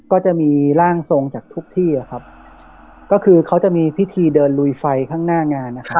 ก็จะมีร่างทรงจากทุกที่อะครับก็คือเขาจะมีพิธีเดินลุยไฟข้างหน้างานนะครับ